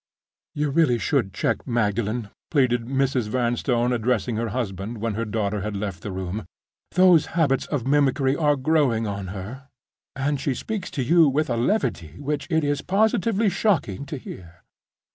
"You really should check Magdalen," pleaded Mrs. Vanstone, addressing her husband when her daughter had left the room. "Those habits of mimicry are growing on her; and she speaks to you with a levity which it is positively shocking to hear."